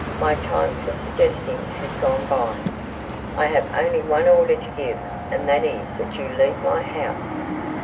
My time for suggesting has gone by. I have only one order to give, and that is, that you leave my house.'